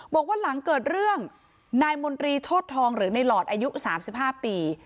บอกว่าหลังเกิดเรื่องนายมนตรีโชธทองหรือในหลอดอายุ๓๕ปี